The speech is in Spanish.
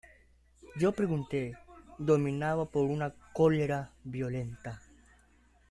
yo pregunté, dominado por una cólera violenta: